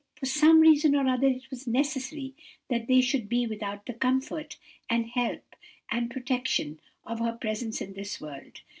For some reason or other it was necessary that they should be without the comfort, and help, and protection, of her presence in this world.